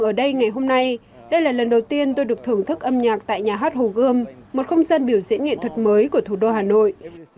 ở đây ngày hôm nay đây là lần đầu tiên tôi được thưởng thức âm nhạc tại nhà hát hồ gươm một không gian biểu diễn nghệ thuật mới của thủ đô hà nội